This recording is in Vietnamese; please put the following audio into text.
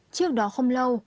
trước đó không lâu